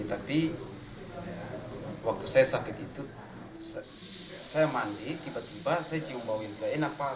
tapi waktu saya sakit itu saya mandi tiba tiba saya cium bau yang tidak enak pak